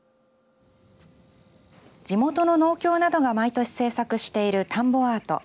地元の農協などが毎年制作している田んぼアート。